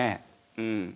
うん。